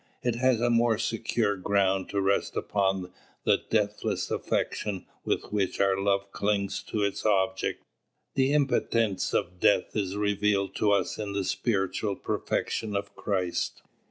It has a more secure ground to rest upon than the deathless affection with which our love clings to its object The impotence of death is revealed to us in the spiritual perfection of Christ.